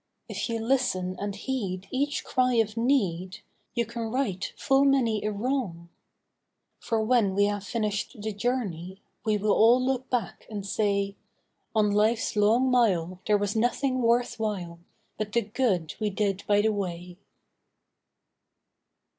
If you listen and heed each cry of need You can right full many a wrong. For when we have finished the journey We will all look back and say: 'On life's long mile there was nothing worth while But the good we did by the way.